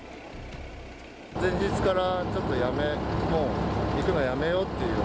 前日から、ちょっともう行くのやめようっていう。